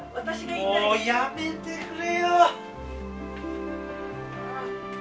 もう、やめてくれよ！